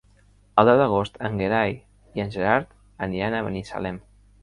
El deu d'agost en Gerai i en Gerard aniran a Binissalem.